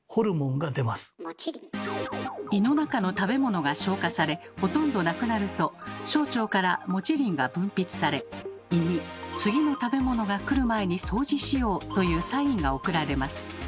胃の中の食べ物が消化されほとんどなくなると小腸からモチリンが分泌され胃に「次の食べ物が来る前に掃除しよう」というサインが送られます。